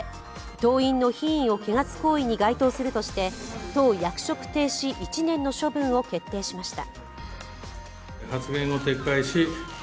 党員の品位を汚す行為に該当するとして党役職停止１年の処分を決定しました。